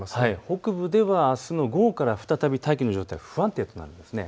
北部ではあすの午後からまた大気の状態が不安定です。